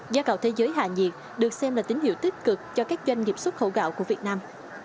giá gạo thế giới hạ nhiệt được xem là tín hiệu tích cực cho các doanh nghiệp xuất khẩu gạo của việt nam